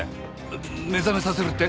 目覚めさせるって？